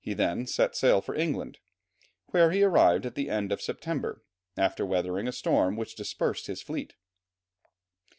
He then set sail for England, where he arrived at the end of September, after weathering a storm which dispersed his fleet.